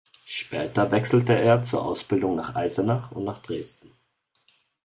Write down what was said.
Später wechselte er zur Ausbildung nach Eisenach und nach Dresden.